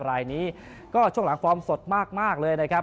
รายนี้ก็ช่วงหลังฟอร์มสดมากเลยนะครับ